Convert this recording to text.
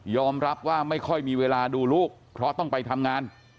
รับว่าไม่ค่อยมีเวลาดูลูกเพราะต้องไปทำงาน